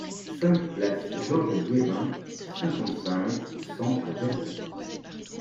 cinq place Georges Guérin, cinquante-cinq, cent à Verdun